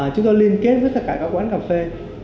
chúng tôi liên kết với tất cả các quán cà phê